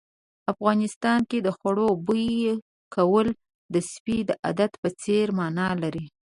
افغانستان کې د خوړو بوي کول د سپي د عادت په څېر مانا لري.